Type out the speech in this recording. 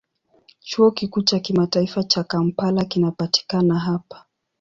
Chuo Kikuu cha Kimataifa cha Kampala kinapatikana hapa.